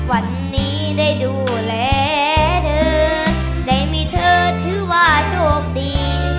วันนี้ได้ดูแลเธอได้มีเธอถือว่าโชคดี